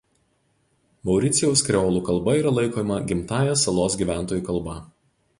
Mauricijaus kreolų kalba yra laikoma gimtąja salos gyventojų kalba.